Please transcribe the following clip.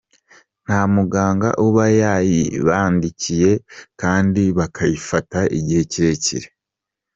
nta muganga uba yayibandikiye kandi bakayifata igihe kirekire".